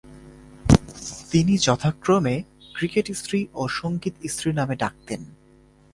তিনি যথাক্রমে ক্রিকেট স্ত্রী ও সঙ্গীত স্ত্রী নামে ডাকতেন।